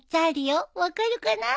分かるかな？